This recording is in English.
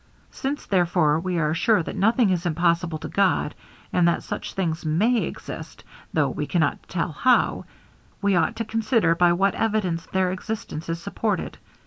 Since, therefore, we are sure that nothing is impossible to God, and that such beings may exist, though we cannot tell how, we ought to consider by what evidence their existence is supported.